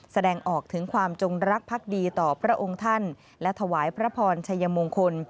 แสดงออกถึงความจงรักพักดีต่อพระองค์ท่านและถวายพระพรชัยมงคล